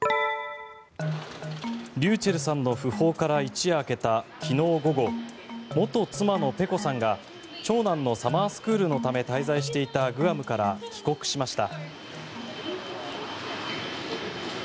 ｒｙｕｃｈｅｌｌさんの訃報から一夜明けた昨日午後元妻のｐｅｃｏさんが長男のサマースクールのため滞在していたグアムから帰国しました。